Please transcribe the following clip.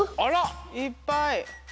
いっぱい。